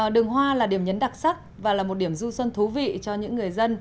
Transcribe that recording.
đường hoa là điểm nhấn đặc sắc và là một điểm du xuân thú vị cho những người dân